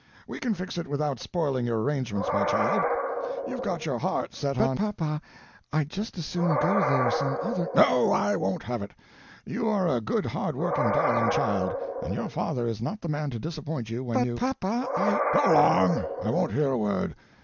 We can fix it without spoiling your arrangements, my child. You've got your heart set on—" "But papa, I'd just as soon go there some other—" "No—I won't have it. You are a good hard working darling child, and your father is not the man to disappoint you when you—" "But papa, I—" "Go along, I won't hear a word.